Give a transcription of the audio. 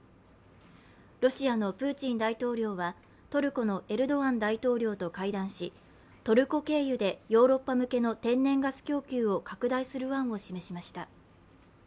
ロシアのプーチン大統領はトルコのエルドアン大統領と会談し、トルコ経由でヨーロッパ向けの天然ガス供給を拡大する案を示しました。